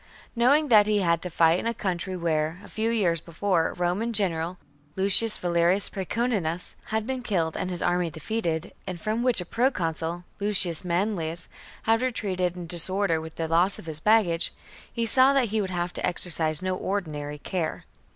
Knowing that he had to fight in a country where, a few years before, a Roman general, Lucius Valerius Praeconinus, had been killed and his army defeated, and from which a proconsul, Lucius Manlius, had retreated in disorder with the loss of his baggage, he saw that he would have to exercise no ordinary care.